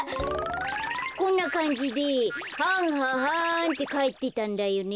こんなかんじではんははんってかえってたんだよね。